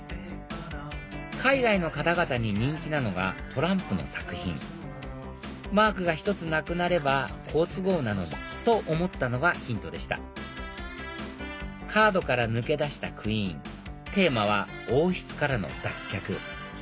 海外の方々に人気なのがトランプの作品マークが１つなくなれば好都合なのにと思ったのがヒントでしたカードから抜け出したクイーンテーマは「王室からの脱却」